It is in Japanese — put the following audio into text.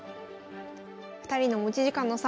２人の持ち時間の差